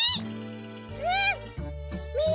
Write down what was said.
うん！